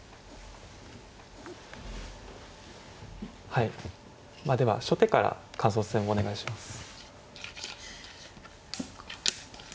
はいでは初手から感想戦お願いします。